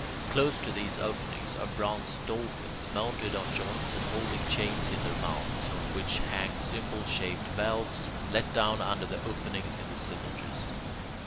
Close to these openings are bronze dolphins, mounted on joints and holding chains in their mouths, from which hang cymbal shaped valves, let down under the openings in the cylinders.